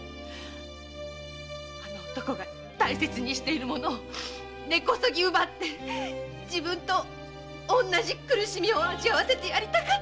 あの男が大切にしているものを根こそぎ奪って自分と同じ苦しみを味わわせてやりたかった！